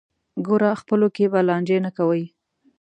ګوره خپلو کې به لانجې نه کوئ.